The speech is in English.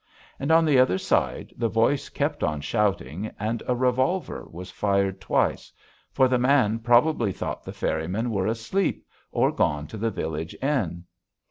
And on the other side the voice kept on shouting, and a revolver was fired twice, for the man probably thought the ferrymen were asleep or gone to the village inn.